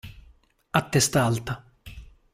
A testa alta